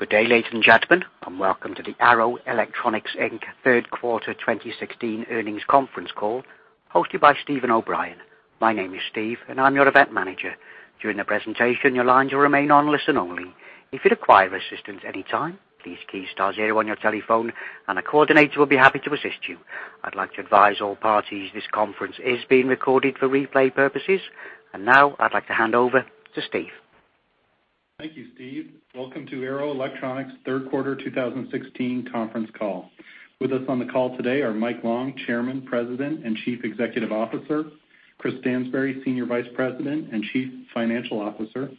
Good day, ladies and gentlemen, and welcome to the Arrow Electronics Inc. third quarter 2016 earnings conference call, hosted by Steven O'Brien. My name is Steve, and I'm your event manager. During the presentation, your lines will remain on listen-only. If you require assistance at any time, please press star zero on your telephone, and a coordinator will be happy to assist you. I'd like to advise all parties this conference is being recorded for replay purposes, and now I'd like to hand over to Steve. Thank you, Steve. Welcome to Arrow Electronics third quarter 2016 conference call. With us on the call today are Mike Long, Chairman, President, and Chief Executive Officer; Chris Stansbury, Senior Vice President and Chief Financial Officer;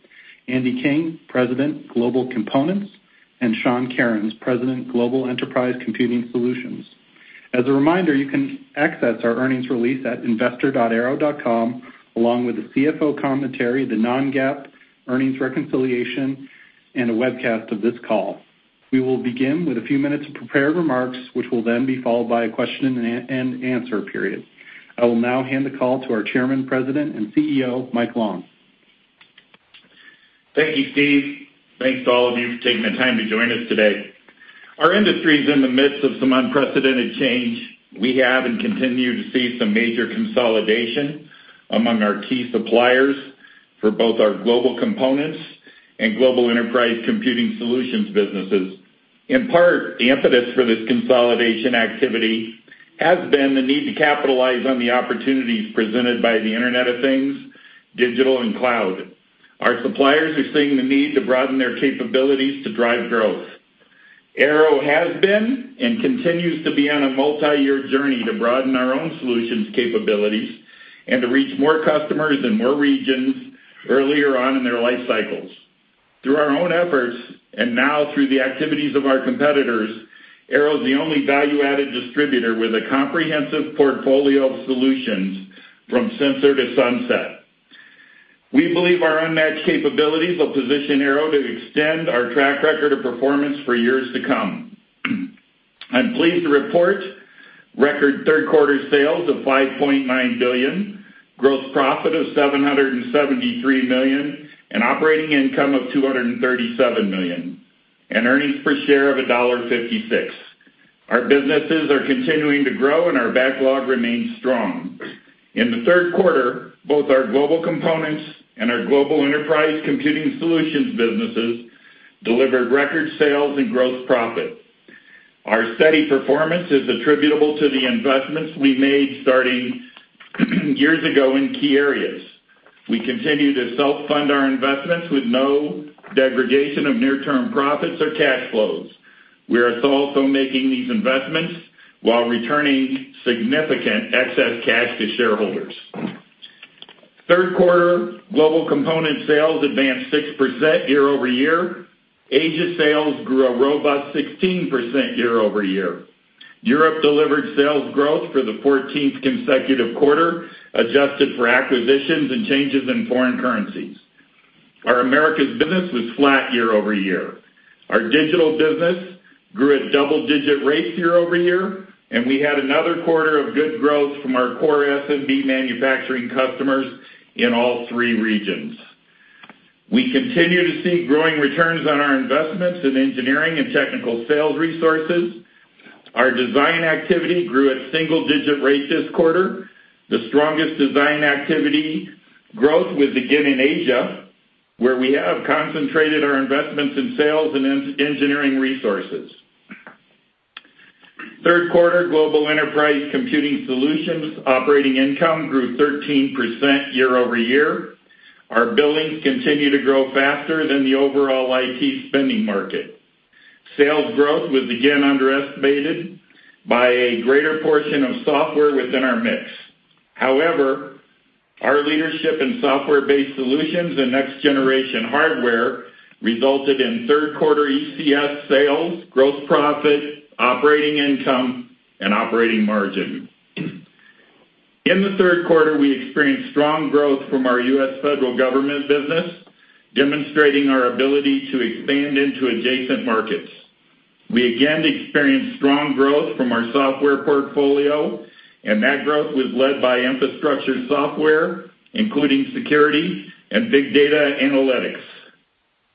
Andy King, President, Global Components; and Sean Kerins, President, Global Enterprise Computing Solutions. As a reminder, you can access our earnings release at investor.arrow.com, along with the CFO commentary, the non-GAAP earnings reconciliation, and a webcast of this call. We will begin with a few minutes of prepared remarks, which will then be followed by a question-and-answer period. I will now hand the call to our Chairman, President, and CEO, Mike Long. Thank you, Steve. Thanks to all of you for taking the time to join us today. Our industry is in the midst of some unprecedented change. We have and continue to see some major consolidation among our key suppliers for both our Global Components and Global Enterprise Computing Solutions businesses. In part, the impetus for this consolidation activity has been the need to capitalize on the opportunities presented by the Internet of Things, digital, and cloud. Our suppliers are seeing the need to broaden their capabilities to drive growth. Arrow has been and continues to be on a multi-year journey to broaden our own solutions capabilities and to reach more customers in more regions earlier on in their life cycles. Through our own efforts and now through the activities of our competitors, Arrow is the only value-added distributor with a comprehensive portfolio of solutions from Sensor to Sunset. We believe our unmatched capabilities will position Arrow to extend our track record of performance for years to come. I'm pleased to report record Third Quarter sales of $5.9 billion, gross profit of $773 million, and operating income of $237 million, and earnings per share of $1.56. Our businesses are continuing to grow, and our backlog remains strong. In the Third Quarter, both our Global Components and our Global Enterprise Computing Solutions businesses delivered record sales and gross profit. Our steady performance is attributable to the investments we made starting years ago in key areas. We continue to self-fund our investments with no degradation of near-term profits or cash flows. We are also making these investments while returning significant excess cash to shareholders. Third Quarter, Global Components sales advanced 6% year-over-year. Asia sales grew a robust 16% year-over-year. Europe delivered sales growth for the 14th consecutive quarter, adjusted for acquisitions and changes in foreign currencies. Our Americas business was flat year-over-year. Our digital business grew at double-digit rates year-over-year, and we had another quarter of good growth from our core SMB manufacturing customers in all three regions. We continue to see growing returns on our investments in engineering and technical sales resources. Our design activity grew at single-digit rates this quarter. The strongest design activity growth was again in Asia, where we have concentrated our investments in sales and engineering resources. Third Quarter, Global Enterprise Computing Solutions operating income grew 13% year-over-year. Our billings continue to grow faster than the overall IT spending market. Sales growth was again underestimated by a greater portion of software within our mix. However, our leadership in software-based solutions and next-generation hardware resulted in Third Quarter ECS sales, gross profit, operating income, and operating margin. In the Third Quarter, we experienced strong growth from our U.S. federal government business, demonstrating our ability to expand into adjacent markets. We again experienced strong growth from our software portfolio, and that growth was led by infrastructure software, including security and big data analytics.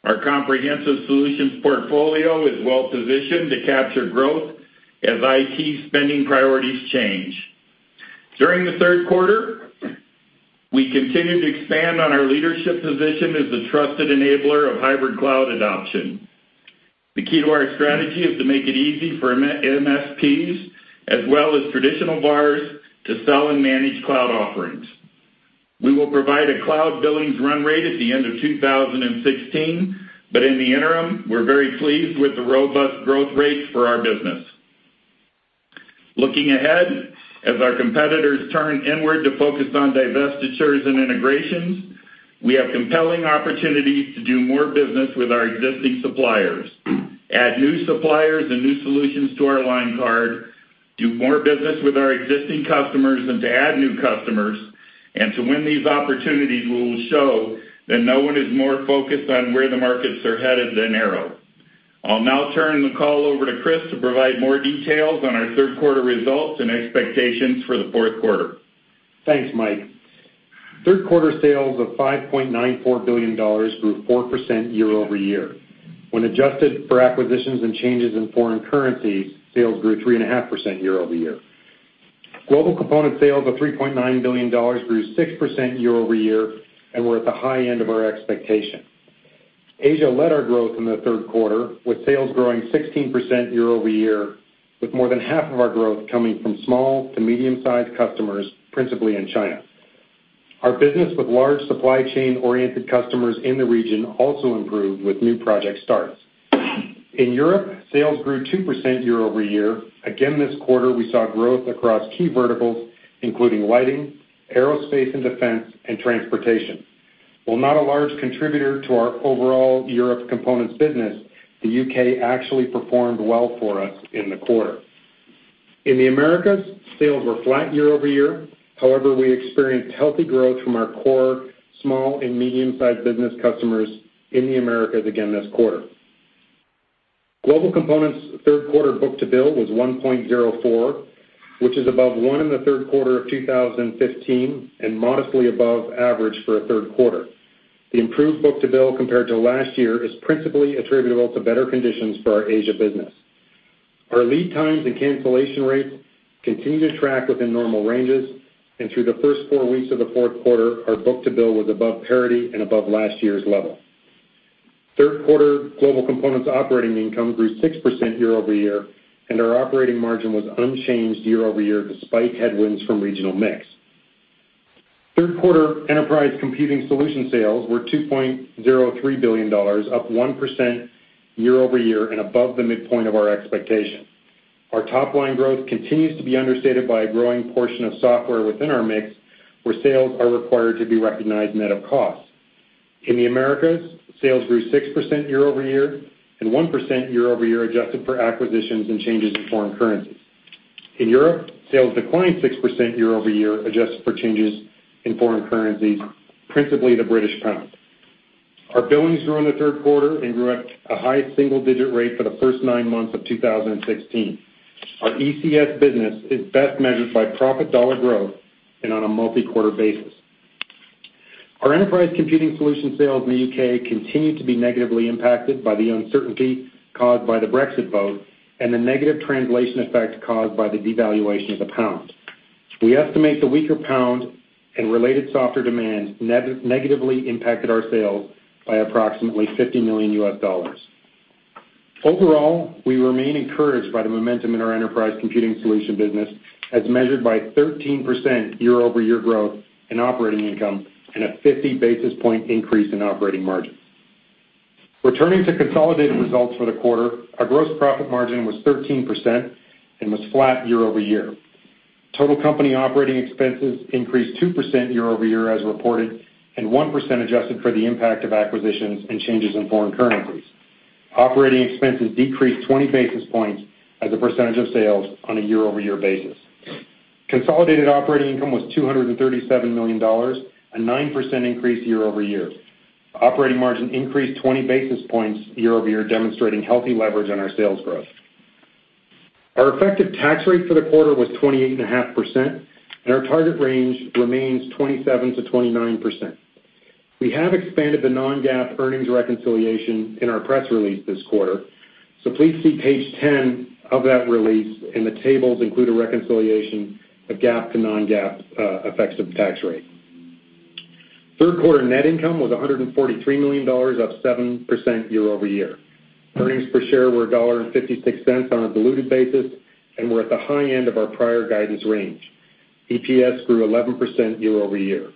Our comprehensive solutions portfolio is well-positioned to capture growth as IT spending priorities change. During the Third Quarter, we continued to expand on our leadership position as the trusted enabler of hybrid cloud adoption. The key to our strategy is to make it easy for MSPs, as well as traditional VARs, to sell and manage cloud offerings. We will provide a cloud billings run rate at the end of 2016, but in the interim, we're very pleased with the robust growth rates for our business. Looking ahead, as our competitors turn inward to focus on divestitures and integrations, we have compelling opportunities to do more business with our existing suppliers, add new suppliers and new solutions to our line card, do more business with our existing customers and to add new customers, and to win these opportunities. We will show that no one is more focused on where the markets are headed than Arrow. I'll now turn the call over to Chris to provide more details on our Third Quarter results and expectations for the Fourth Quarter. Thanks, Mike. Third quarter sales of $5.94 billion grew 4% year-over-year. When adjusted for acquisitions and changes in foreign currencies, sales grew 3.5% year-over-year. Global Components sales of $3.9 billion grew 6% year-over-year, and we're at the high end of our expectation. Asia led our growth in the third quarter, with sales growing 16% year-over-year, with more than half of our growth coming from small to medium-sized customers, principally in China. Our business with large supply chain-oriented customers in the region also improved with new project starts. In Europe, sales grew 2% year-over-year. Again this quarter, we saw growth across key verticals, including lighting, aerospace and defense, and transportation. While not a large contributor to our overall Europe Components business, the UK actually performed well for us in the quarter. In the Americas, sales were flat year-over-year. However, we experienced healthy growth from our core small and medium-sized business customers in the Americas again this quarter. Global Components' third quarter book-to-bill was 1.04, which is above 1 in the third quarter of 2015 and modestly above average for a third quarter. The improved book-to-bill compared to last year is principally attributable to better conditions for our Asia business. Our lead times and cancellation rates continue to track within normal ranges, and through the first 4 weeks of the fourth quarter, our book-to-bill was above parity and above last year's level. Third quarter, Global Components' operating income grew 6% year-over-year, and our operating margin was unchanged year-over-year despite headwinds from regional mix. Third quarter, Enterprise Computing Solutions sales were $2.03 billion, up 1% year-over-year and above the midpoint of our expectation. Our top-line growth continues to be understated by a growing portion of software within our mix, where sales are required to be recognized net of cost. In the Americas, sales grew 6% year-over-year and 1% year-over-year, adjusted for acquisitions and changes in foreign currencies. In Europe, sales declined 6% year-over-year, adjusted for changes in foreign currencies, principally the British pound. Our billings grew in the Third Quarter and grew at a high single-digit rate for the first nine months of 2016. Our ECS business is best measured by profit dollar growth and on a multi-quarter basis. Our Enterprise Computing Solutions sales in the U.K. continue to be negatively impacted by the uncertainty caused by the Brexit vote and the negative translation effect caused by the devaluation of the pound. We estimate the weaker pound and related software demand negatively impacted our sales by approximately $50 million. Overall, we remain encouraged by the momentum in our Enterprise Computing Solutions business, as measured by 13% year-over-year growth in operating income and a 50 basis points increase in operating margins. Returning to consolidated results for the quarter, our gross profit margin was 13% and was flat year-over-year. Total company operating expenses increased 2% year-over-year, as reported, and 1% adjusted for the impact of acquisitions and changes in foreign currencies. Operating expenses decreased 20 basis points as a percentage of sales on a year-over-year basis. Consolidated operating income was $237 million, a 9% increase year-over-year. Operating margin increased 20 basis points year-over-year, demonstrating healthy leverage on our sales growth. Our effective tax rate for the quarter was 28.5%, and our target range remains 27%-29%. We have expanded the non-GAAP earnings reconciliation in our press release this quarter, so please see page 10 of that release, and the tables include a reconciliation of GAAP to non-GAAP effects of the tax rate. Third quarter net income was $143 million, up 7% year-over-year. Earnings per share were $1.56 on a diluted basis and were at the high end of our prior guidance range. EPS grew 11% year-over-year.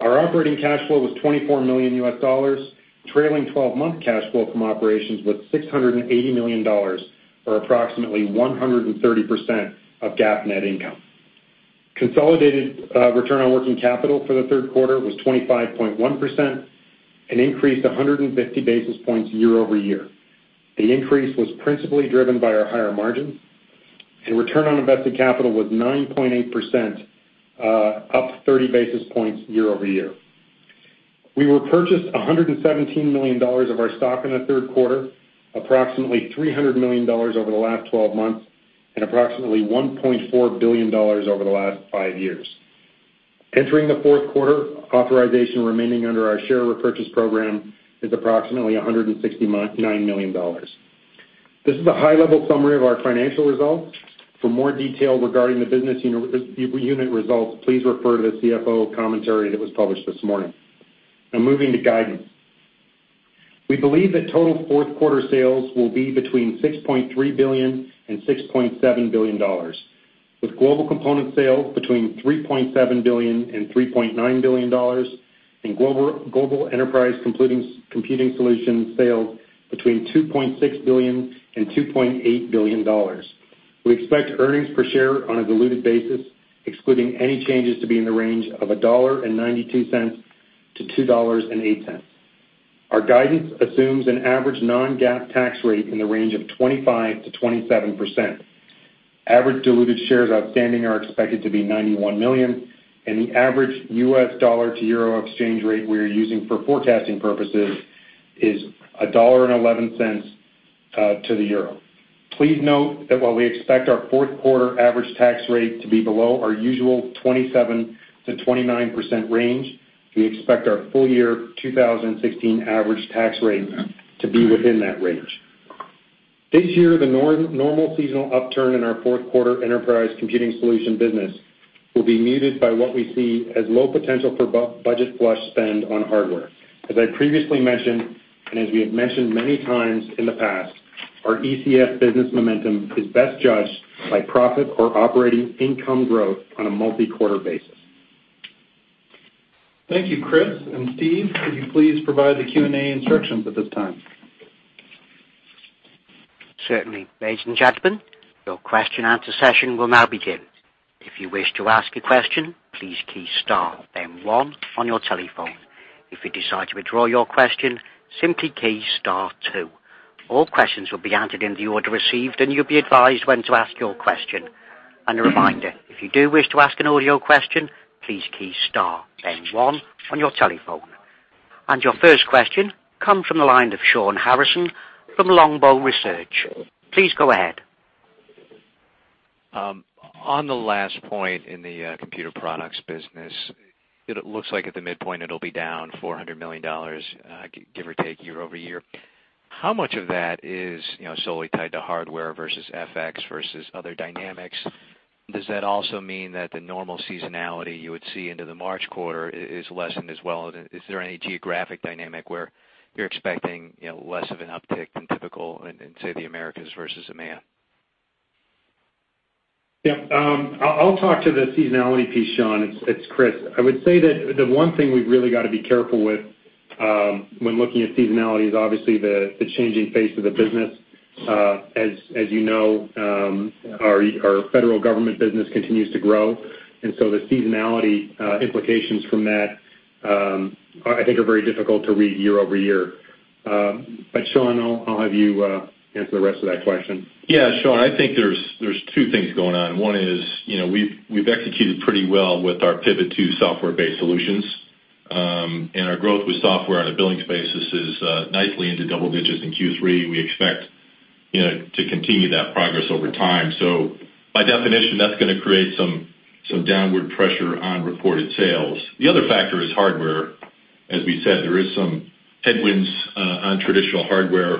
Our operating cash flow was $24 million, trailing 12-month cash flow from operations was $680 million, or approximately 130% of GAAP net income. Consolidated return on working capital for the third quarter was 25.1%, an increase of 150 basis points year-over-year. The increase was principally driven by our higher margins, and return on invested capital was 9.8%, up 30 basis points year over year. We repurchased $117 million of our stock in the Third Quarter, approximately $300 million over the last 12 months, and approximately $1.4 billion over the last five years. Entering the Fourth Quarter, authorization remaining under our share repurchase program is approximately $169 million. This is a high-level summary of our financial results. For more detail regarding the business unit results, please refer to the CFO commentary that was published this morning. Now, moving to guidance. We believe that total Fourth Quarter sales will be between $6.3 billion and $6.7 billion, with Global Components sales between $3.7 billion and $3.9 billion, and Global Enterprise Computing Solutions sales between $2.6 billion and $2.8 billion. We expect earnings per share on a diluted basis, excluding any changes to be in the range of $1.92-$2.08. Our guidance assumes an average non-GAAP tax rate in the range of 25%-27%. Average diluted shares outstanding are expected to be 91 million, and the average U.S. dollar to euro exchange rate we are using for forecasting purposes is $1.11 to the euro. Please note that while we expect our Fourth Quarter average tax rate to be below our usual 27%-29% range, we expect our full year 2016 average tax rate to be within that range. This year, the normal seasonal upturn in our Fourth Quarter Enterprise Computing Solutions business will be muted by what we see as low potential for budget flush spend on hardware. As I previously mentioned, and as we have mentioned many times in the past, our ECS business momentum is best judged by profit or operating income growth on a multi-quarter basis. Thank you, Chris and Steve. Could you please provide the Q&A instructions at this time? Certainly, ladies and gentlemen, your question-answer session will now begin. If you wish to ask a question, please key star then one on your telephone. If you decide to withdraw your question, simply key star two. All questions will be answered in the order received, and you'll be advised when to ask your question. And a reminder, if you do wish to ask an audio question, please key star then one on your telephone. And your first question comes from the line of Shawn Harrison from Longbow Research. Please go ahead. On the last point in the computer products business, it looks like at the midpoint it'll be down $400 million, give or take, year-over-year. How much of that is solely tied to hardware versus FX versus other dynamics? Does that also mean that the normal seasonality you would see into the March quarter is lessened as well? Is there any geographic dynamic where you're expecting less of an uptick than typical in, say, the Americas versus Japan? Yep. I'll talk to the seasonality piece, Shawn. It's Chris. I would say that the one thing we've really got to be careful with when looking at seasonality is obviously the changing face of the business. As you know, our federal government business continues to grow, and so the seasonality implications from that, I think, are very difficult to read year-over-year. But, Shawn, I'll have you answer the rest of that question. Yeah, Shawn, I think there's two things going on. One is we've executed pretty well with our Pivot3 software-based solutions, and our growth with software on a billings basis is nicely into double digits in Q3. We expect to continue that progress over time. So, by definition, that's going to create some downward pressure on reported sales. The other factor is hardware. As we said, there are some headwinds on traditional hardware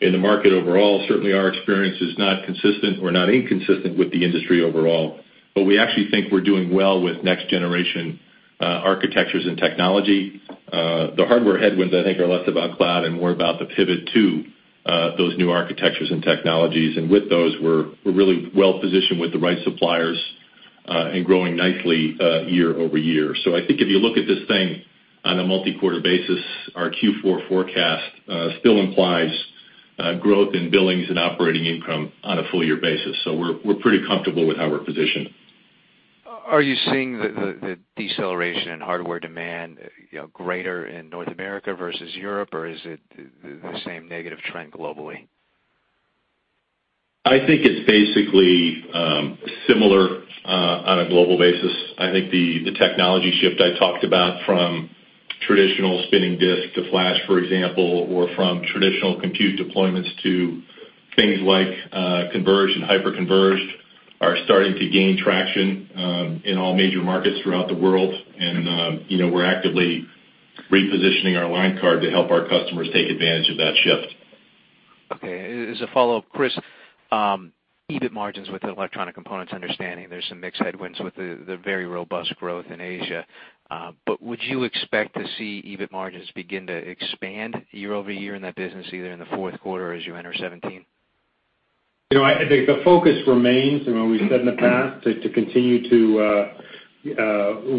in the market overall. Certainly, our experience is not consistent or not inconsistent with the industry overall, but we actually think we're doing well with next-generation architectures and technology. The hardware headwinds, I think, are less about cloud and more about the Pivot3, those new architectures and technologies. And with those, we're really well-positioned with the right suppliers and growing nicely year-over-year. So, I think if you look at this thing on a multi-quarter basis, our Q4 forecast still implies growth in billings and operating income on a full-year basis. So, we're pretty comfortable with how we're positioned. Are you seeing the deceleration in hardware demand greater in North America versus Europe, or is it the same negative trend globally? I think it's basically similar on a global basis. I think the technology shift I talked about from traditional spinning disk to flash, for example, or from traditional compute deployments to things like converged and hyper-converged are starting to gain traction in all major markets throughout the world. And we're actively repositioning our line card to help our customers take advantage of that shift. Okay. As a follow-up, Chris, EBIT margins with Electronic Components understanding there's some mixed headwinds with the very robust growth in Asia. But would you expect to see EBIT margins begin to expand year-over-year in that business, either in the Fourth Quarter or as you enter 2017? I think the focus remains, and we've said in the past, to continue to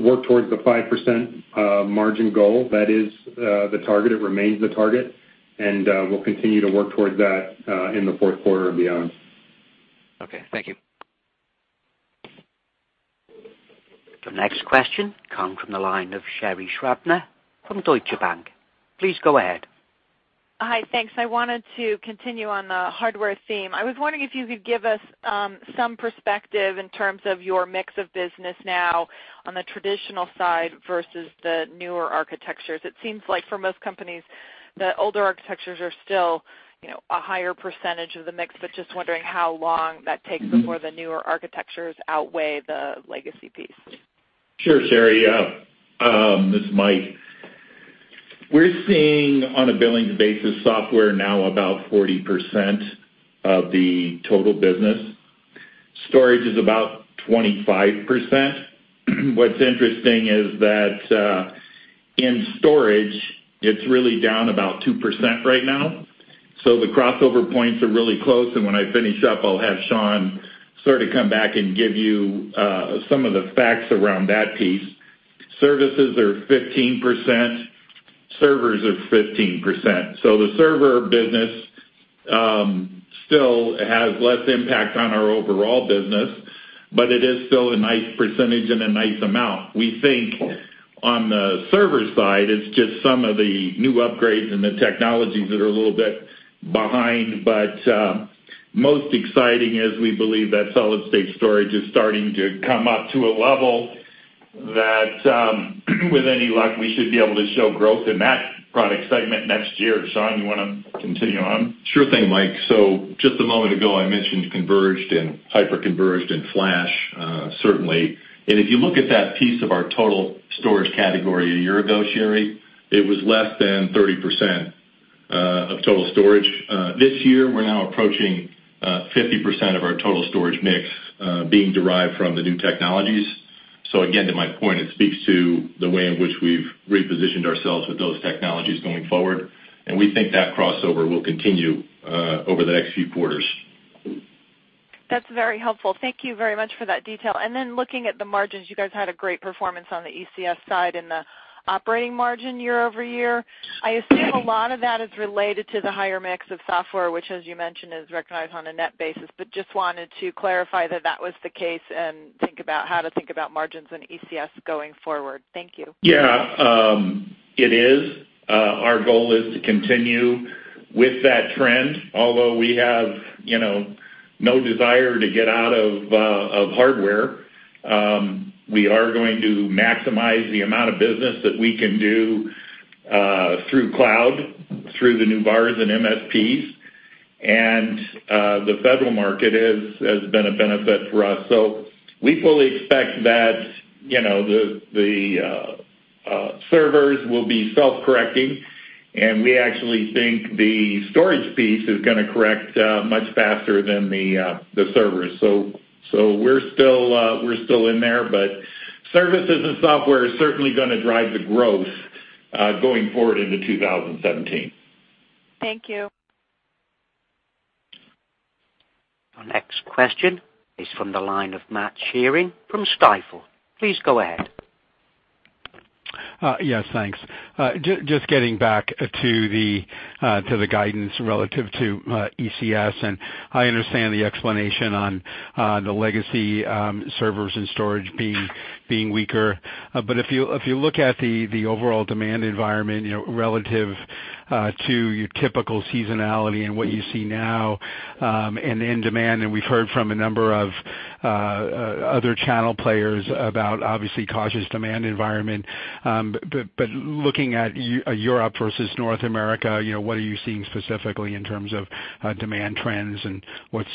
work towards the 5% margin goal. That is the target. It remains the target, and we'll continue to work towards that in the Fourth Quarter and beyond. Okay. Thank you. The next question comes from the line of Sherri Scribner from Deutsche Bank. Please go ahead. Hi, thanks. I wanted to continue on the hardware theme. I was wondering if you could give us some perspective in terms of your mix of business now on the traditional side versus the newer architectures. It seems like for most companies, the older architectures are still a higher percentage of the mix, but just wondering how long that takes before the newer architectures outweigh the legacy piece. Sure, Sherri. This is Mike. We're seeing on a billings basis software now about 40% of the total business. Storage is about 25%. What's interesting is that in storage, it's really down about 2% right now. So, the crossover points are really close, and when I finish up, I'll have Sean sort of come back and give you some of the facts around that piece. Services are 15%. Servers are 15%. So, the server business still has less impact on our overall business, but it is still a nice percentage and a nice amount. We think on the server side, it's just some of the new upgrades and the technologies that are a little bit behind. But most exciting is we believe that solid-state storage is starting to come up to a level that, with any luck, we should be able to show growth in that product segment next year. Sean, you want to continue on? Sure thing, Mike. So, just a moment ago, I mentioned converged and hyper-converged and flash, certainly. And if you look at that piece of our total storage category a year ago, Sherri, it was less than 30% of total storage. This year, we're now approaching 50% of our total storage mix being derived from the new technologies. So, again, to my point, it speaks to the way in which we've repositioned ourselves with those technologies going forward. And we think that crossover will continue over the next few quarters. That's very helpful. Thank you very much for that detail. Then looking at the margins, you guys had a great performance on the ECS side in the operating margin year-over-year. I assume a lot of that is related to the higher mix of software, which, as you mentioned, is recognized on a net basis. Just wanted to clarify that that was the case and think about how to think about margins and ECS going forward. Thank you. Yeah, it is. Our goal is to continue with that trend, although we have no desire to get out of hardware. We are going to maximize the amount of business that we can do through cloud, through the new VARs and MSPs, and the federal market has been a benefit for us. So, we fully expect that the servers will be self-correcting, and we actually think the storage piece is going to correct much faster than the servers. So, we're still in there, but services and software are certainly going to drive the growth going forward into 2017. Thank you. The next question is from the line of Matt Sheerin from Stifel. Please go ahead. Yes, thanks. Just getting back to the guidance relative to ECS, and I understand the explanation on the legacy servers and storage being weaker. But if you look at the overall demand environment relative to your typical seasonality and what you see now in demand, and we've heard from a number of other channel players about, obviously, cautious demand environment. But looking at Europe versus North America, what are you seeing specifically in terms of demand trends and what's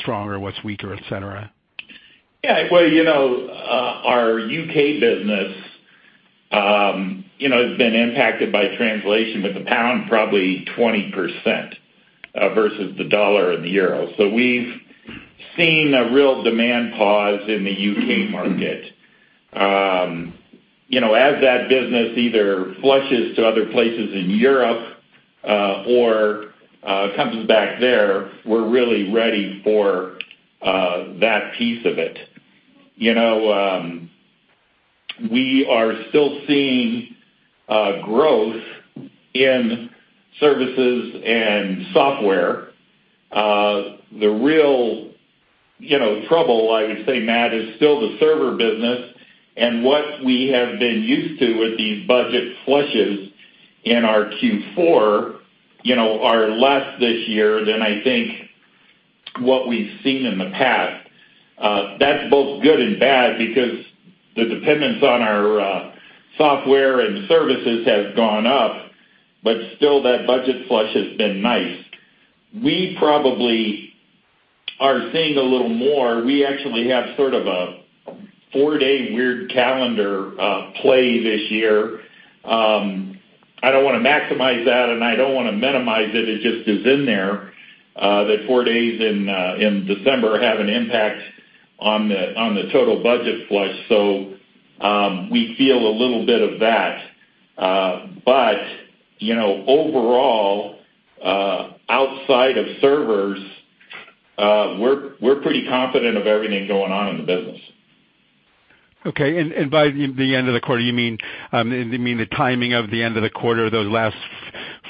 stronger, what's weaker, etc.? Yeah. Well, our UK business has been impacted by translation, but the British pound probably 20% versus the U.S. dollar and the euro. So, we've seen a real demand pause in the UK market. As that business either flushes to other places in Europe or comes back there, we're really ready for that piece of it. We are still seeing growth in services and software. The real trouble, I would say, Matt, is still the server business, and what we have been used to with these budget flushes in our Q4 are less this year than, I think, what we've seen in the past. That's both good and bad because the dependence on our software and services has gone up, but still, that budget flush has been nice. We probably are seeing a little more. We actually have sort of a four-day weird calendar play this year. I don't want to maximize that, and I don't want to minimize it. It just is in there that four days in December have an impact on the total budget flush. So, we feel a little bit of that. But overall, outside of servers, we're pretty confident of everything going on in the business. Okay. And by the end of the quarter, you mean the timing of the end of the quarter, those last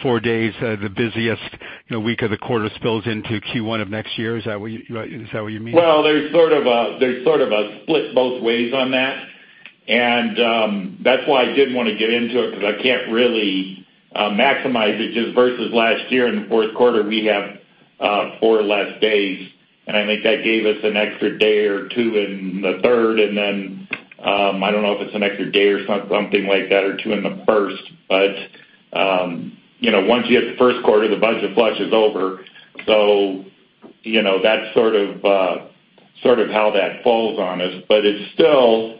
4 days, the busiest week of the quarter spills into Q1 of next year? Is that what you mean? Well, there's sort of a split both ways on that. And that's why I didn't want to get into it because I can't really maximize it just versus last year. In the 4th quarter, we have four less days, and I think that gave us an extra day or two in the third. And then I don't know if it's an extra day or something like that or two in the first. But once you hit the first quarter, the budget flush is over. So, that's sort of how that falls on us. But it's still,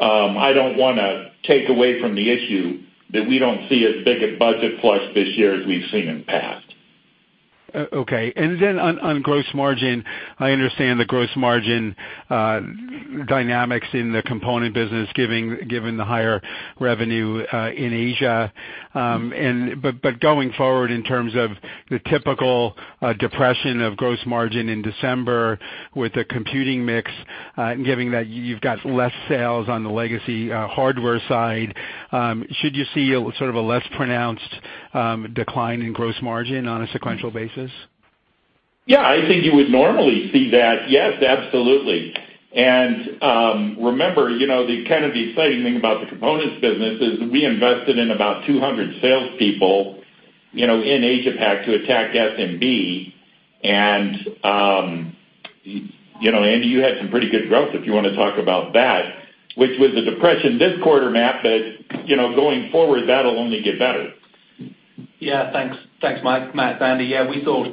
I don't want to take away from the issue that we don't see as big a budget flush this year as we've seen in the past. Okay. And then on gross margin, I understand the gross margin dynamics in the component business given the higher revenue in Asia. But going forward in terms of the typical depression of gross margin in December with the computing mix and given that you've got less sales on the legacy hardware side, should you see sort of a less pronounced decline in gross margin on a sequential basis? Yeah, I think you would normally see that. Yes, absolutely. And remember, the kind of the exciting thing about the components business is we invested in about 200 salespeople in Asia-Pac to attack SMB. And you had some pretty good growth if you want to talk about that, which was a depression this quarter, Matt, but going forward, that'll only get better. Yeah, thanks, Mike. Matt, Andy, yeah, we saw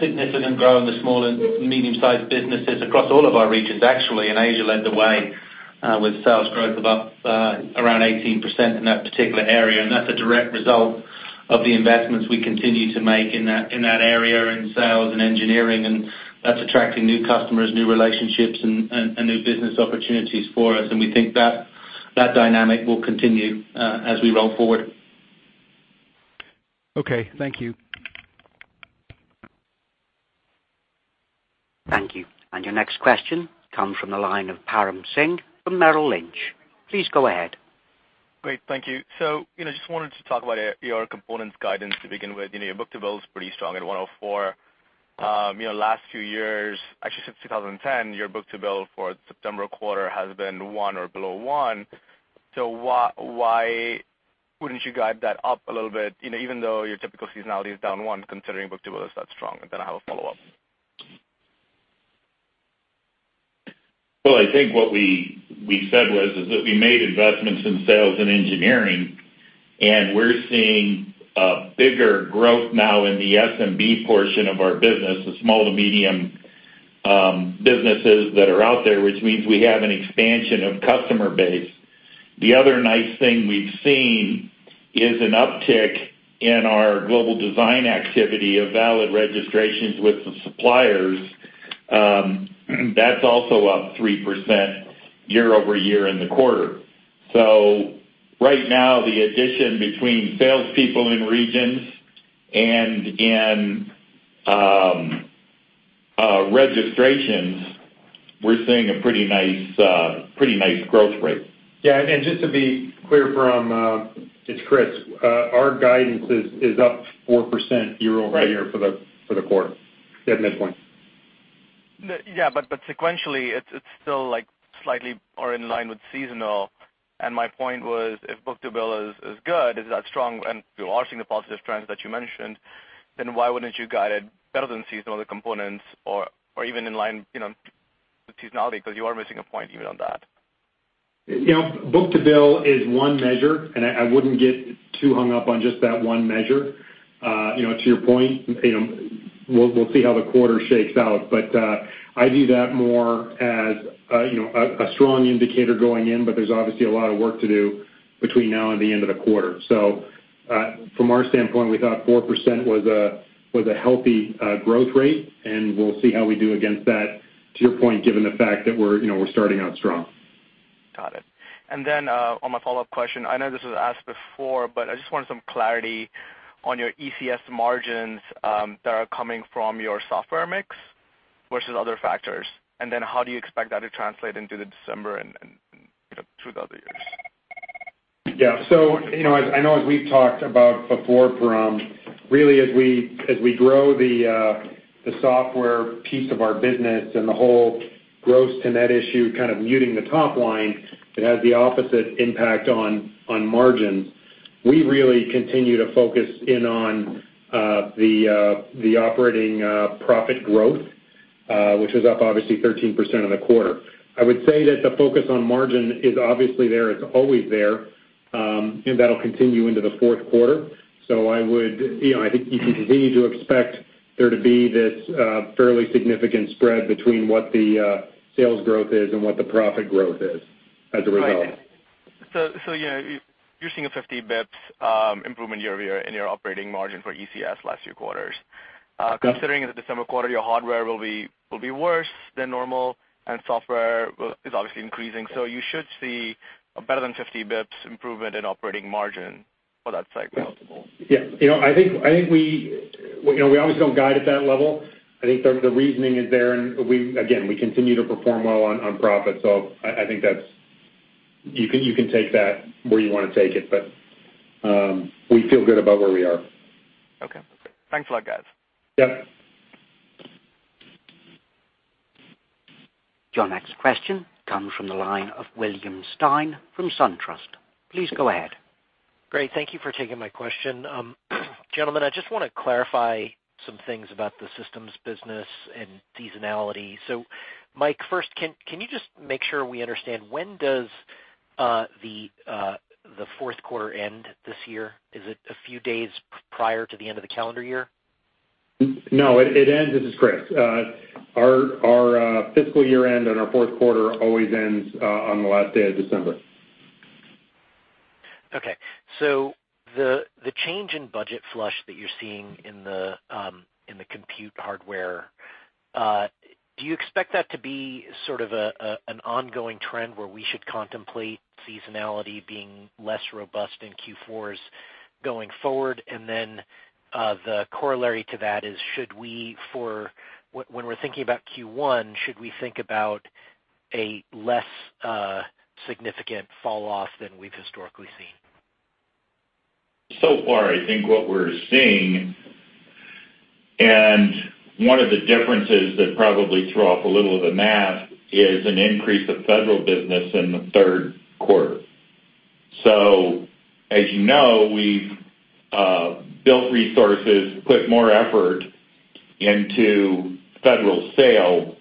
significant growth in the small and medium-sized businesses across all of our regions. Actually, in Asia, led the way with sales growth of up around 18% in that particular area. And that's a direct result of the investments we continue to make in that area in sales and engineering. And that's attracting new customers, new relationships, and new business opportunities for us. And we think that dynamic will continue as we roll forward. Okay. Thank you. Thank you. Your next question comes from the line of Param Singh from Merrill Lynch. Please go ahead. Great. Thank you. So, just wanted to talk about your components guidance to begin with. Your book-to-bill is pretty strong at 104. Last few years, actually since 2010, your book-to-bill for September quarter has been one or below one. So, why wouldn't you guide that up a little bit, even though your typical seasonality is down one, considering book-to-bill is that strong? And then I have a follow-up. Well, I think what we said was that we made investments in sales and engineering, and we're seeing bigger growth now in the SMB portion of our business, the small to medium businesses that are out there, which means we have an expansion of customer base. The other nice thing we've seen is an uptick in our global design activity of valid registrations with the suppliers. That's also up 3% year-over-year in the quarter. So, right now, the addition between salespeople in regions and in registrations, we're seeing a pretty nice growth rate. Yeah. Just to be clear, this is Chris. Our guidance is up 4% year-over-year for the quarter. Yeah, midpoint. Yeah. Sequentially, it's still slightly more in line with seasonal. My point was, if book-to-bill is good, is that strong, and you are seeing the positive trends that you mentioned, then why wouldn't you guide it better than seasonal components or even in line with seasonality because you are missing a point even on that? book-to-bill is one measure, and I wouldn't get too hung up on just that one measure. To your point, we'll see how the quarter shakes out. But I view that more as a strong indicator going in, but there's obviously a lot of work to do between now and the end of the quarter. So, from our standpoint, we thought 4% was a healthy growth rate, and we'll see how we do against that, to your point, given the fact that we're starting out strong. Got it. And then on my follow-up question, I know this was asked before, but I just wanted some clarity on your ECS margins that are coming from your software mix versus other factors. And then how do you expect that to translate into the December and through the other years? Yeah. So, I know as we've talked about before, Param, really as we grow the software piece of our business and the whole gross to net issue kind of muting the top line, it has the opposite impact on margins. We really continue to focus in on the operating profit growth, which was up obviously 13% in the quarter. I would say that the focus on margin is obviously there. It's always there, and that'll continue into the fourth quarter. So, I think you can continue to expect there to be this fairly significant spread between what the sales growth is and what the profit growth is as a result. So, yeah, you're seeing a 50 basis points improvement year-over-year in your operating margin for ECS last few quarters. Considering the December quarter, your hardware will be worse than normal, and software is obviously increasing. So, you should see a better than 50 basis points improvement in operating margin for that cycle. Yeah. I think we obviously don't guide at that level. I think the reasoning is there. And again, we continue to perform well on profit. So, I think you can take that where you want to take it, but we feel good about where we are. Okay. Thanks a lot, guys. Yep. Your next question comes from the line of William Stein from SunTrust. Please go ahead. Great. Thank you for taking my question. Gentlemen, I just want to clarify some things about the systems business and seasonality. So, Mike, first, can you just make sure we understand when does the fourth quarter end this year? Is it a few days prior to the end of the calendar year? No, it ends. This is Chris. Our fiscal year end and our fourth quarter always ends on the last day of December. Okay. So, the change in budget flush that you're seeing in the compute hardware, do you expect that to be sort of an ongoing trend where we should contemplate seasonality being less robust in Q4s going forward? And then the corollary to that is, when we're thinking about Q1, should we think about a less significant falloff than we've historically seen? So far, I think what we're seeing, and one of the differences that probably throw up a little of the math, is an increase of federal business in the third quarter. So, as you know, we've built resources, put more effort into federal sale,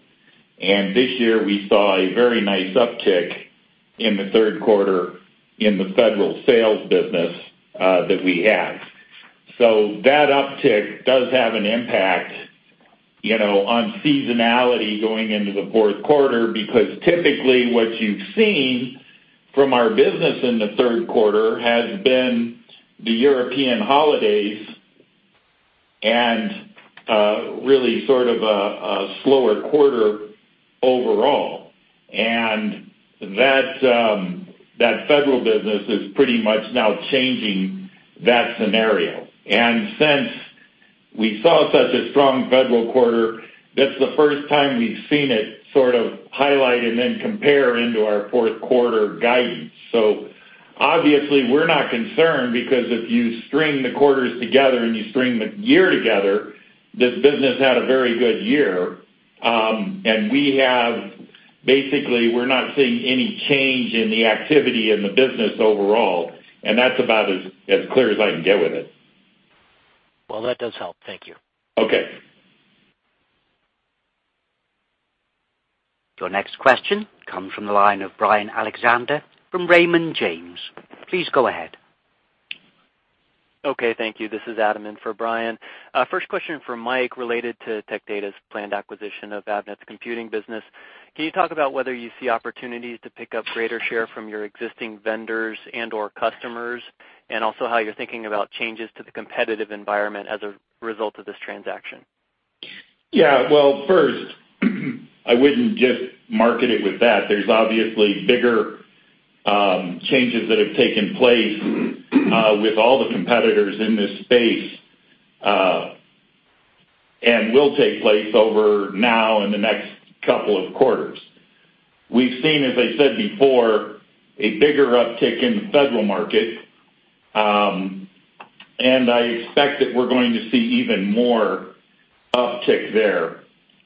and this year, we saw a very nice uptick in the third quarter in the federal sales business that we have. So, that uptick does have an impact on seasonality going into the fourth quarter because typically, what you've seen from our business in the third quarter has been the European holidays and really sort of a slower quarter overall. And that federal business is pretty much now changing that scenario. And since we saw such a strong federal quarter, that's the first time we've seen it sort of highlight and then compare into our fourth quarter guidance. So, obviously, we're not concerned because if you string the quarters together and you string the year together, this business had a very good year. And basically, we're not seeing any change in the activity in the business overall. And that's about as clear as I can get with it. Well, that does help. Thank you. Okay. Your next question comes from the line of Brian Alexander from Raymond James. Please go ahead. Okay. Thank you. This is Adam in for Brian. First question for Mike related to Tech Data's planned acquisition of Avnet's computing business. Can you talk about whether you see opportunities to pick up greater share from your existing vendors and/or customers, and also how you're thinking about changes to the competitive environment as a result of this transaction? Yeah. Well, first, I wouldn't just market it with that. There's obviously bigger changes that have taken place with all the competitors in this space and will take place over now and the next couple of quarters. We've seen, as I said before, a bigger uptick in the federal market, and I expect that we're going to see even more uptick there.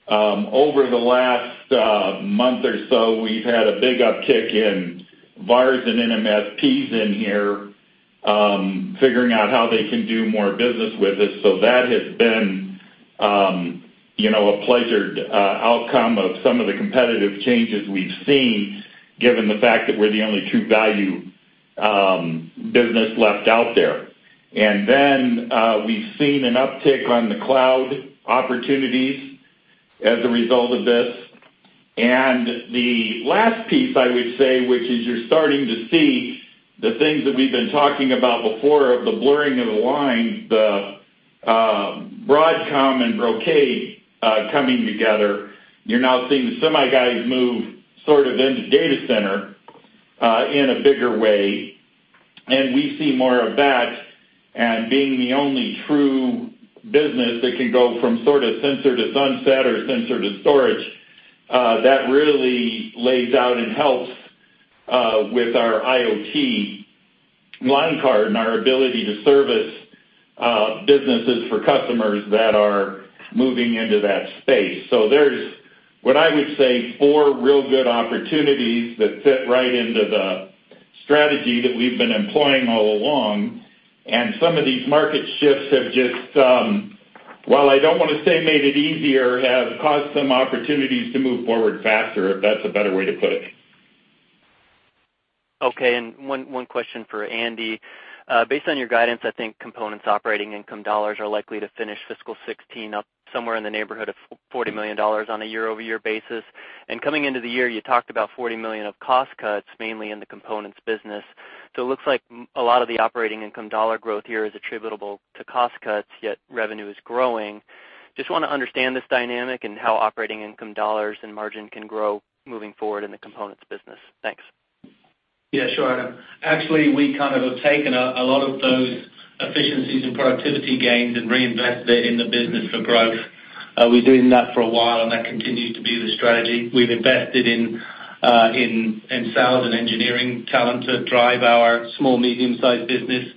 Over the last month or so, we've had a big uptick in VARs and MSPs in here, figuring out how they can do more business with us. So, that has been a pleasing outcome of some of the competitive changes we've seen, given the fact that we're the only true value business left out there. And then we've seen an uptick on the cloud opportunities as a result of this. The last piece, I would say, which is you're starting to see the things that we've been talking about before of the blurring of the lines, the Broadcom and Brocade coming together. You're now seeing the semi guys move sort of into data center in a bigger way. We see more of that. Being the only true business that can go from sort of sensor to sunset or sensor to storage, that really lays out and helps with our IoT line card and our ability to service businesses for customers that are moving into that space. There's what I would say four real good opportunities that fit right into the strategy that we've been employing all along. Some of these market shifts have just, while I don't want to say made it easier, have caused some opportunities to move forward faster, if that's a better way to put it. Okay. One question for Andy. Based on your guidance, I think components operating income dollars are likely to finish fiscal 2016 up somewhere in the neighborhood of $40 million on a year-over-year basis. Coming into the year, you talked about $40 million of cost cuts, mainly in the components business. It looks like a lot of the operating income dollar growth here is attributable to cost cuts, yet revenue is growing. Just want to understand this dynamic and how operating income dollars and margin can grow moving forward in the components business. Thanks. Yeah, sure, Adam. Actually, we kind of have taken a lot of those efficiencies and productivity gains and reinvested it in the business for growth. We've been doing that for a while, and that continues to be the strategy. We've invested in sales and engineering talent to drive our small, medium-sized business.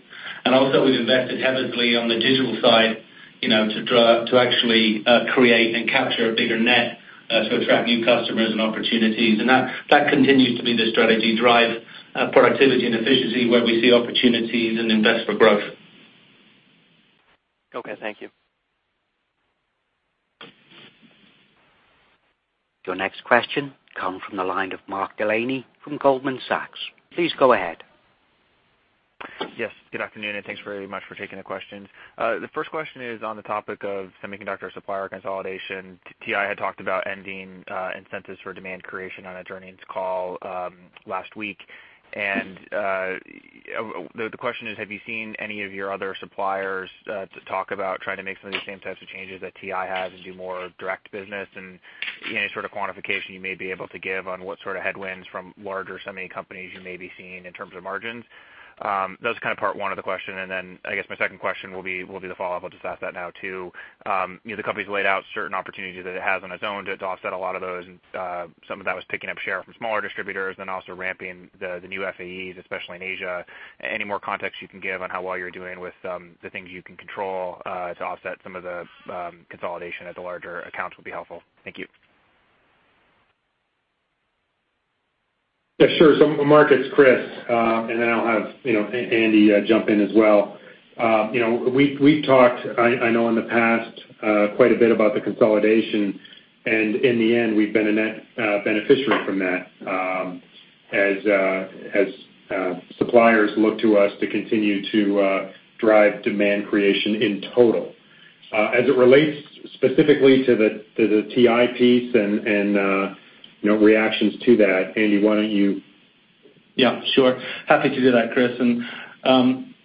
Also, we've invested heavily on the digital side to actually create and capture a bigger net to attract new customers and opportunities. And that continues to be the strategy: drive productivity and efficiency where we see opportunities and invest for growth. Okay. Thank you. Your next question comes from the line of Mark Delaney from Goldman Sachs. Please go ahead. Yes. Good afternoon, and thanks very much for taking the questions. The first question is on the topic of semiconductor supplier consolidation. TI had talked about ending incentives for demand creation on their earnings call last week. And the question is, have you seen any of your other suppliers talk about trying to make some of these same types of changes that TI has and do more direct business? And any sort of quantification you may be able to give on what sort of headwinds from larger semi companies you may be seeing in terms of margins? That was kind of part one of the question. And then I guess my second question will be the follow-up. I'll just ask that now too. The company's laid out certain opportunities that it has on its own to offset a lot of those. Some of that was picking up share from smaller distributors, then also ramping the new FAEs, especially in Asia. Any more context you can give on how well you're doing with the things you can control to offset some of the consolidation at the larger accounts would be helpful? Thank you. Yeah. Sure. So, Mark, it's Chris, and then I'll have Andy jump in as well. We've talked, I know, in the past quite a bit about the consolidation. And in the end, we've been a net beneficiary from that as suppliers look to us to continue to drive demand creation in total. As it relates specifically to the TI piece and reactions to that, Andy, why don't you? Yeah. Sure. Happy to do that, Chris. And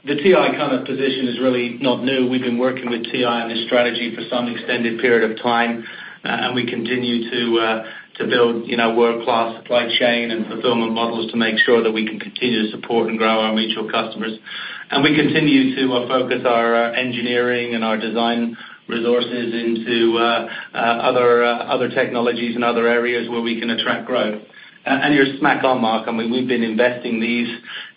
the TI kind of position is really not new. We've been working with TI on this strategy for some extended period of time, and we continue to build world-class supply chain and fulfillment models to make sure that we can continue to support and grow our mutual customers. And we continue to focus our engineering and our design resources into other technologies and other areas where we can attract growth. And you're smack on, Mark. I mean, we've been investing these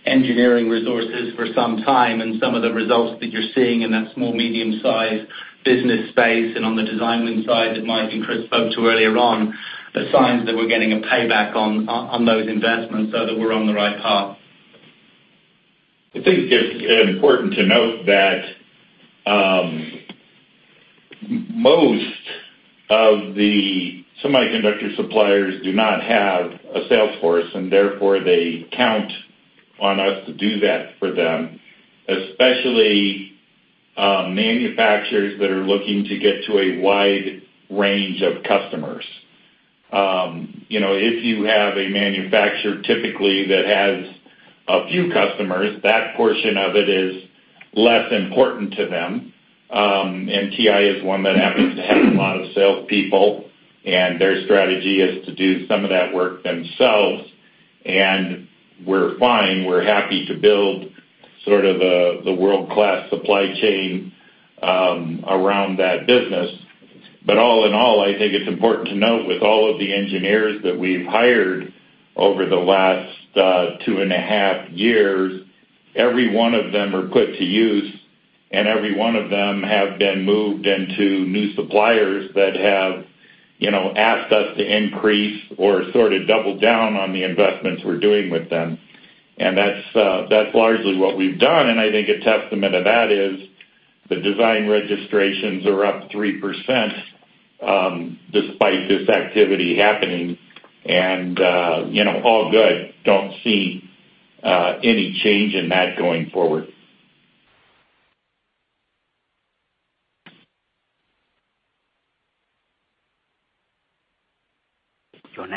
engineering resources for some time, and some of the results that you're seeing in that small, medium-sized business space and on the design side that Mike and Chris spoke to earlier on, the signs that we're getting a payback on those investments so that we're on the right path. I think it's important to note that most of the semiconductor suppliers do not have a sales force, and therefore, they count on us to do that for them, especially manufacturers that are looking to get to a wide range of customers. If you have a manufacturer typically that has a few customers, that portion of it is less important to them. TI is one that happens to have a lot of salespeople, and their strategy is to do some of that work themselves. We're fine. We're happy to build sort of the world-class supply chain around that business. But all in all, I think it's important to note with all of the engineers that we've hired over the last 2.5 years, every one of them are put to use, and every one of them have been moved into new suppliers that have asked us to increase or sort of double down on the investments we're doing with them. And that's largely what we've done. And I think a testament to that is the design registrations are up 3% despite this activity happening. And all good. Don't see any change in that going forward.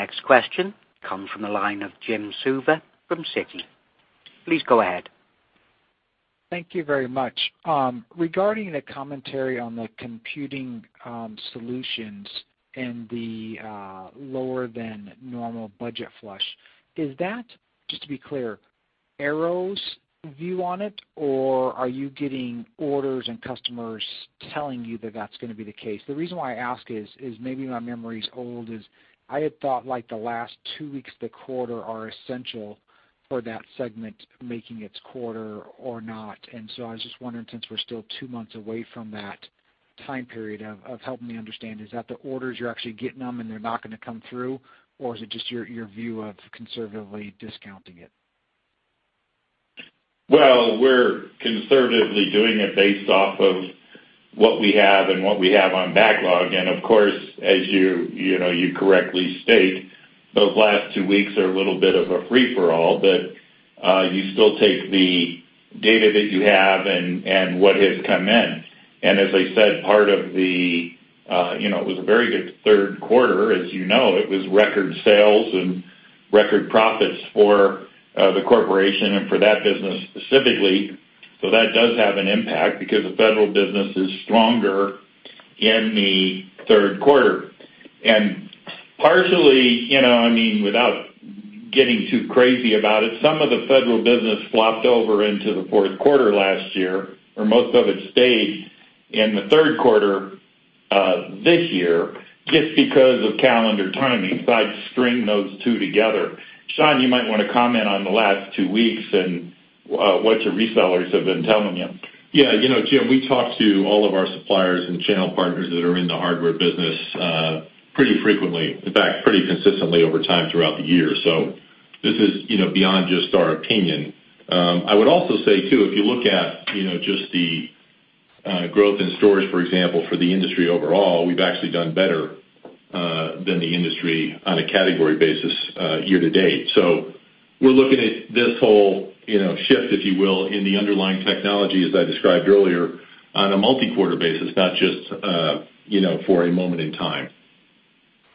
Your next question comes from the line of Jim Suva from Citi. Please go ahead. Thank you very much. Regarding the commentary on the computing solutions and the lower-than-normal budget flush, is that, just to be clear, Arrow's view on it, or are you getting orders and customers telling you that that's going to be the case? The reason why I ask is, maybe my memory's old, is I had thought the last two weeks of the quarter are essential for that segment making its quarter or not. So I was just wondering, since we're still two months away from that time period, of helping me understand, is that the orders you're actually getting them, and they're not going to come through, or is it just your view of conservatively discounting it? Well, we're conservatively doing it based off of what we have and what we have on backlog. And of course, as you correctly state, those last two weeks are a little bit of a free-for-all, but you still take the data that you have and what has come in. And as I said, part of it was a very good third quarter, as you know. It was record sales and record profits for the corporation and for that business specifically. So that does have an impact because the federal business is stronger in the third quarter. And partially, I mean, without getting too crazy about it, some of the federal business flopped over into the fourth quarter last year, or most of it stayed in the third quarter this year just because of calendar timing. So I'd string those two together. Sean, you might want to comment on the last two weeks and what your resellers have been telling you. Yeah. Jim, we talk to all of our suppliers and channel partners that are in the hardware business pretty frequently, in fact, pretty consistently over time throughout the year. So this is beyond just our opinion. I would also say too, if you look at just the growth in storage, for example, for the industry overall, we've actually done better than the industry on a category basis year to date. So we're looking at this whole shift, if you will, in the underlying technology, as I described earlier, on a multi-quarter basis, not just for a moment in time.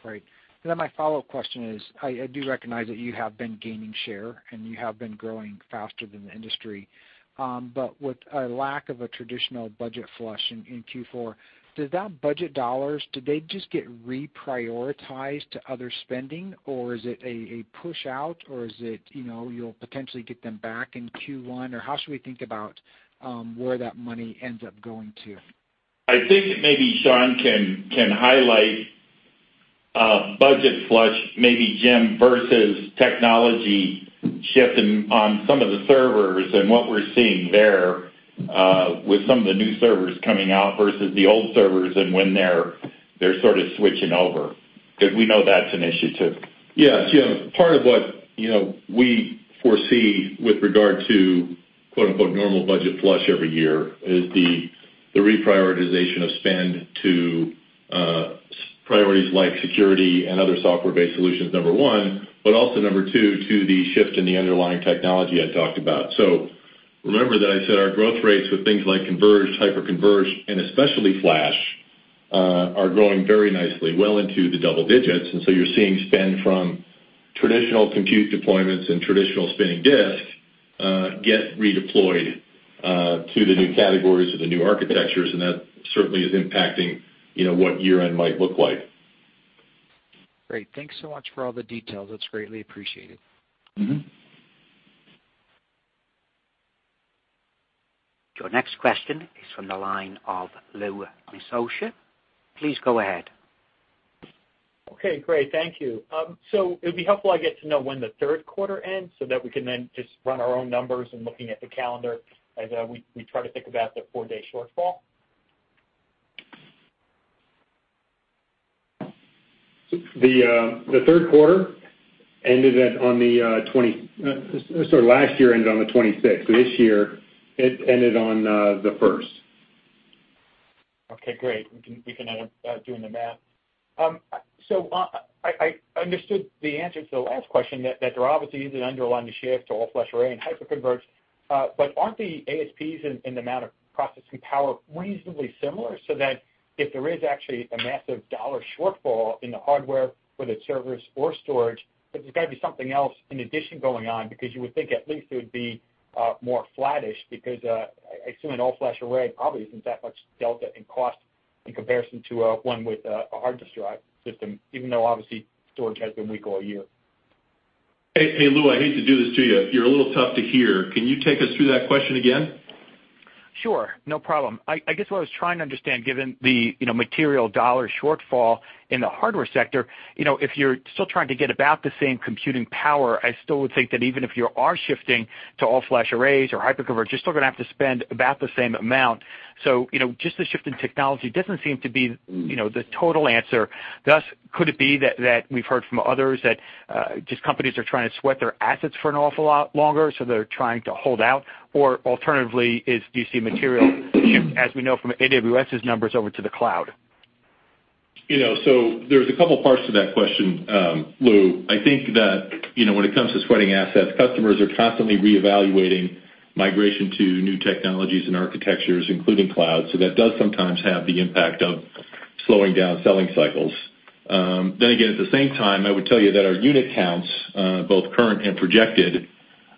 Right. Then my follow-up question is, I do recognize that you have been gaining share, and you have been growing faster than the industry. But with a lack of a traditional budget flush in Q4, did that budget dollars, did they just get reprioritized to other spending, or is it a push out, or is it you'll potentially get them back in Q1? Or how should we think about where that money ends up going to? I think maybe Sean can highlight budget flush, maybe Jim versus technology shifting on some of the servers and what we're seeing there with some of the new servers coming out versus the old servers and when they're sort of switching over because we know that's an issue too. Yeah. Jim, part of what we foresee with regard to "normal budget flush" every year is the reprioritization of spend to priorities like security and other software-based solutions, number one, but also number two, to the shift in the underlying technology I talked about. So remember that I said our growth rates with things like converged, hyper-converged, and especially flash are growing very nicely, well into the double digits. And so you're seeing spend from traditional compute deployments and traditional spinning disks get redeployed to the new categories of the new architectures, and that certainly is impacting what year-end might look like. Great. Thanks so much for all the details. That's greatly appreciated. Your next question is from the line of Louis Miscioscia. Please go ahead. Okay. Great. Thank you. So it would be helpful I get to know when the third quarter ends so that we can then just run our own numbers and looking at the calendar as we try to think about the four-day shortfall. The third quarter ended on the sort of last year ended on the 26th. This year, it ended on the 1st. Okay. Great. We can end up doing the math. So I understood the answer to the last question that there obviously is an underlying shift to all-flash array and hyper-converged, but aren't the ASPs and the amount of processing power reasonably similar so that if there is actually a massive dollar shortfall in the hardware, whether it's servers or storage, there's got to be something else in addition going on because you would think at least it would be more flattish because I assume an all-flash array probably isn't that much delta in cost in comparison to one with a hard disk drive system, even though obviously storage has been weaker all year. Hey, Lou, I hate to do this to you. You're a little tough to hear. Can you take us through that question again? Sure. No problem. I guess what I was trying to understand, given the material dollar shortfall in the hardware sector, if you're still trying to get about the same computing power, I still would think that even if you are shifting to all-flash arrays or hyper-converged, you're still going to have to spend about the same amount. So just the shift in technology doesn't seem to be the total answer. Thus, could it be that we've heard from others that just companies are trying to sweat their assets for an awful lot longer, so they're trying to hold out? Or alternatively, do you see material shift, as we know from AWS's numbers, over to the cloud? There's a couple of parts to that question, Lou. I think that when it comes to sweating assets, customers are constantly reevaluating migration to new technologies and architectures, including cloud. That does sometimes have the impact of slowing down selling cycles. Then again, at the same time, I would tell you that our unit counts, both current and projected,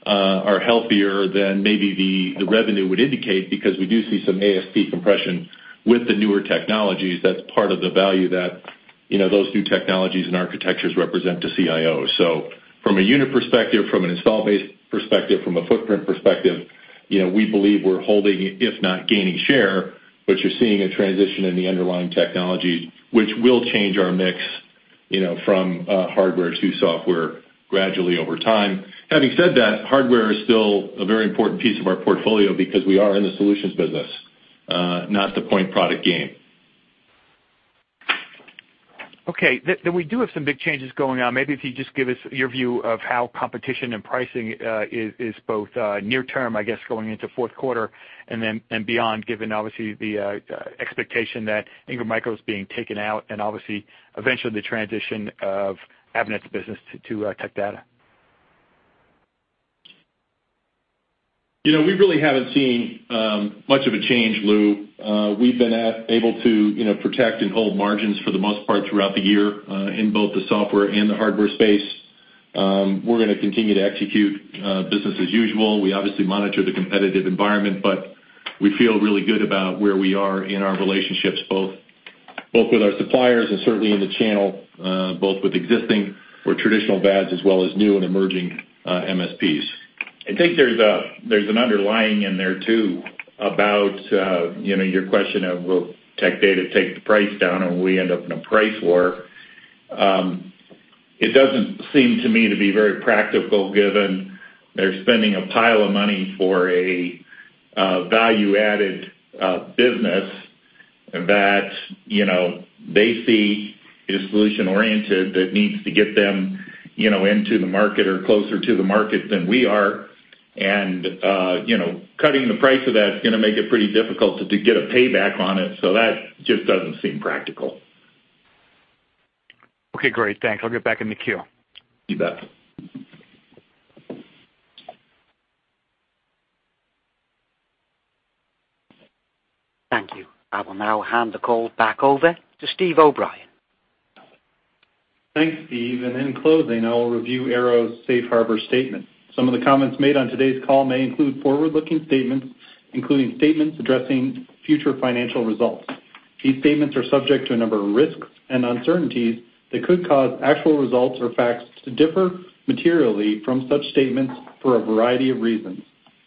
are healthier than maybe the revenue would indicate because we do see some ASP compression with the newer technologies. That's part of the value that those new technologies and architectures represent to CIO. From a unit perspective, from an install-based perspective, from a footprint perspective, we believe we're holding, if not gaining share, but you're seeing a transition in the underlying technologies, which will change our mix from hardware to software gradually over time. Having said that, hardware is still a very important piece of our portfolio because we are in the solutions business, not the point product game. Okay. Then we do have some big changes going on. Maybe if you just give us your view of how competition and pricing is both near-term, I guess, going into fourth quarter and beyond, given obviously the expectation that Ingram Micro is being taken out and obviously eventually the transition of Avnet's business to Tech Data? We really haven't seen much of a change, Lou. We've been able to protect and hold margins for the most part throughout the year in both the software and the hardware space. We're going to continue to execute business as usual. We obviously monitor the competitive environment, but we feel really good about where we are in our relationships, both with our suppliers and certainly in the channel, both with existing or traditional VARs as well as new and emerging MSPs. I think there's an underlying in there too about your question of, "Will Tech Data take the price down, or will we end up in a price war?" It doesn't seem to me to be very practical given they're spending a pile of money for a value-added business that they see is solution-oriented that needs to get them into the market or closer to the market than we are. And cutting the price of that is going to make it pretty difficult to get a payback on it. So that just doesn't seem practical. Okay. Great. Thanks. I'll get back in the queue. You bet. Thank you. I will now hand the call back over to Steve O’Brien. Thanks, Steve. In closing, I'll review Arrow's safe harbor statement. Some of the comments made on today's call may include forward-looking statements, including statements addressing future financial results. These statements are subject to a number of risks and uncertainties that could cause actual results or facts to differ materially from such statements for a variety of reasons.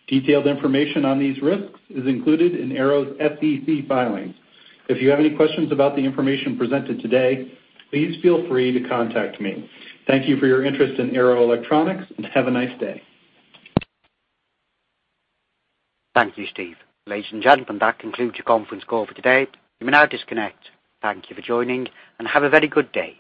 Detailed information on these risks is included in Arrow's SEC filings. If you have any questions about the information presented today, please feel free to contact me. Thank you for your interest in Arrow Electronics, and have a nice day. Thank you, Steve. Ladies and gentlemen, that concludes your conference call for today. You may now disconnect. Thank you for joining, and have a very good day.